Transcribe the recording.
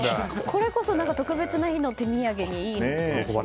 これこそ特別な日の手土産にいい。